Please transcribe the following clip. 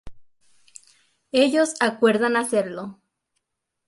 Ellos acuerdan hacerlo.